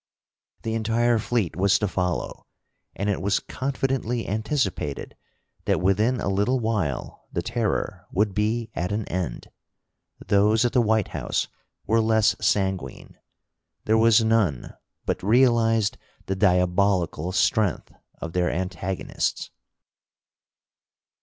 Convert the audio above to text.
The entire fleet was to follow, and it was confidently anticipated that within a little while the Terror would be at an end. Those at the white House were less sanguine. There was none but realized the diabolical strength of their antagonists.